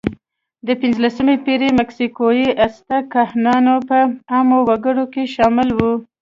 د پینځلسمې پېړۍ مکسیکويي آزتک کاهنان په عامو وګړو کې شامل وو.